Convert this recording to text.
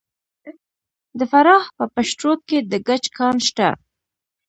د فراه په پشت رود کې د ګچ کان شته.